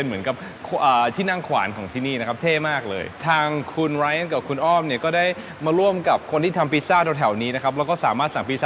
หรือว่าแช่แนนสีดำนะครับ